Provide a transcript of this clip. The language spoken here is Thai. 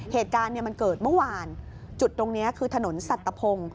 เหตุการณ์เนี่ยมันเกิดเมื่อวานจุดตรงเนี้ยคือถนนสัตว์ตะพง